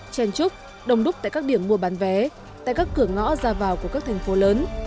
chèn trúc đồng đúc tại các điểm mua bán vé tại các cửa ngõ ra vào của các thành phố lớn